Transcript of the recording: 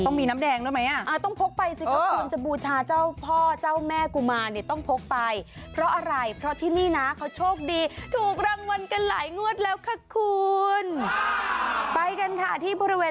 ต้องมีน้ำแดงโดยไหม